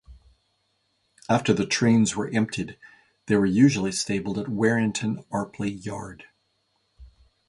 After the trains were emptied, they were usually stabled at Warrington Arpley Yard.